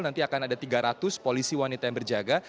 nanti akan ada tiga ratus polisi wanita yang berjaga